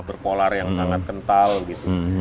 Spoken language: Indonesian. berpolar yang sangat kental gitu